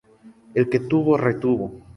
El que tuvo, retuvo